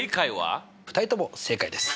２人とも正解です。